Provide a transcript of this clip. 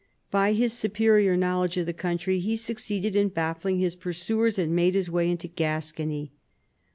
By his superior knowledge of the country he succeeded in baffling his pursuers and made his way into Gascony.